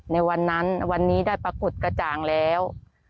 ในวันนั้นวันนี้ได้ปรากฏกระจ่างแล้ว